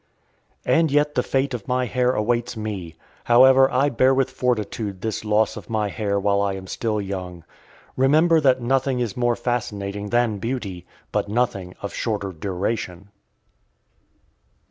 "and yet the fate of my hair awaits me; however, I bear with fortitude this loss of my hair while I am still young. Remember that nothing is more fascinating than beauty, but nothing of shorter duration."